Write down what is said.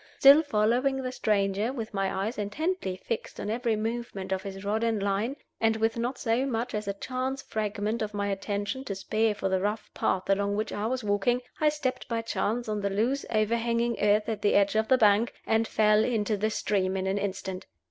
Still following the stranger, with my eyes intently fixed on every movement of his rod and line, and with not so much as a chance fragment of my attention to spare for the rough path along which I was walking, I stepped by chance on the loose overhanging earth at the edge of the bank, and fell into the stream in an instant.